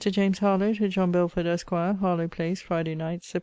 JAMES HARLOWE, TO JOHN BELFORD, ESQ. HARLOWE PLACE, FRIDAY NIGHT, SEPT.